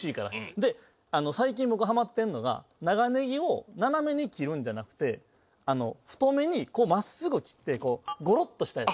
で最近僕ハマってんのが長ネギを斜めに切るんじゃなくて太めに真っすぐ切ってゴロっとしたやつ。